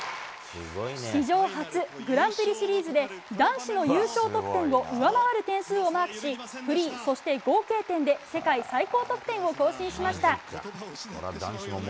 史上初、グランプリシリーズで男子の優勝得点を上回る点数をマークしフリー、そして合計点で世界最高得点を更新しました。